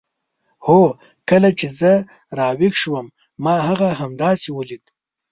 هو کله چې زه راویښه شوم ما هغه همداسې ولید.